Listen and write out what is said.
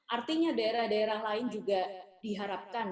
artinya daerah daerah lain juga diharapkan